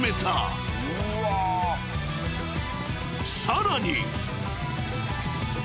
［さらに］